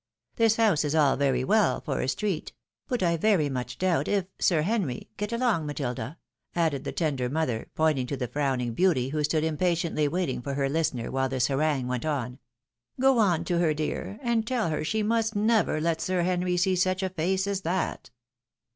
This house is all very well for a street; but I very much doubt if Sir Henry — get along, Matilda," added the tender mother, pointing to the' frowning beauty, who stood impatiently waiting for her listener while this harangue went on. " Go on to her, dear, and tell her she must never let Sir Henry see such a face as that